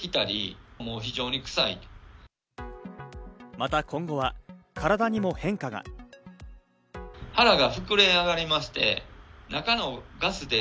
また今後は体にも変化が。